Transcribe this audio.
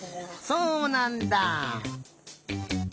そうなんだ！